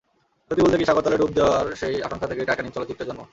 সত্যি বলতে কি, সাগরতলে ডুব দেওয়ার সেই আকাঙ্ক্ষা থেকেই টাইটানিক চলচ্চিত্রের জন্ম।